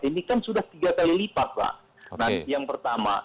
ini kan sudah tiga kali lipat pak yang pertama